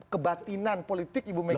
kebatinan politik ibu mega